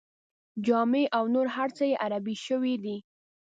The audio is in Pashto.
جامې او نور هر څه یې عربي شوي دي.